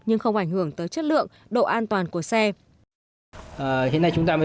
nhưng không ảnh hưởng tới chất lượng độ an toàn của xe